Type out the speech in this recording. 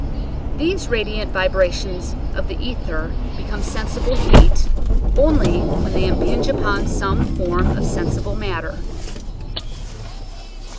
These radiant vibra tions of the ether become sensible heat only when they impinge upon some form of sensi ble matter.